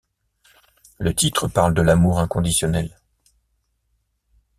Le titre parle de l'amour inconditionnel.